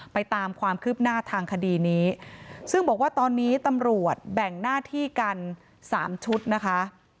ตามความคืบหน้าทางคดีนี้ซึ่งบอกว่าตอนนี้ตำรวจแบ่งหน้าที่กันสามชุดนะคะ